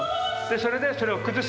それでそれを崩す。